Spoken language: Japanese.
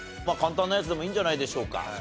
まあ簡単なやつでもいいんじゃないでしょうか。